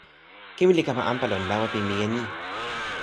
kiwen li kama anpa lon lawa pi mije ni.